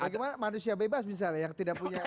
bagaimana manusia bebas misalnya yang tidak punya